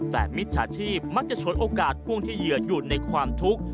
แต่มิจฉาชีพมักจะฉวยโอกาสพ่วงที่เหยื่ออยู่ในความทุกข์